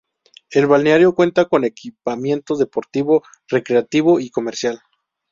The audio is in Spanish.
El balneario cuenta con equipamiento deportivo, recreativo y comercial.